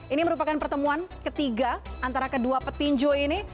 ini merupakan pertemuan ketiga antara kedua petinju ini